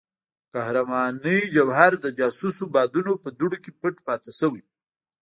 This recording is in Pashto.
د قهرمانۍ جوهر د جاسوسو بادونو په دوړو کې پټ پاتې شوی.